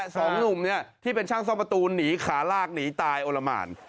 สองหนุ่มเนี่ยที่เป็นช่างซ่อมประตูหนีขาลากหนีตายโอละหมาน